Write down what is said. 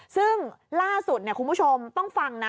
ซึ่งล่าสุดคุณผู้ชมต้องฟังนะ